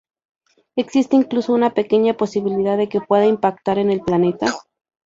Existe incluso una pequeña posibilidad de que pueda impactar en el planeta.